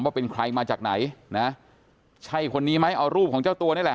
ว่าเป็นใครมาจากไหนนะใช่คนนี้ไหมเอารูปของเจ้าตัวนี่แหละ